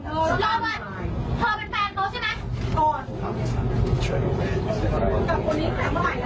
ตอบไว้สักเยี่ยมทำไมแล้ว